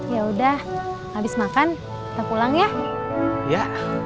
yaudah abis makan kita pulang ya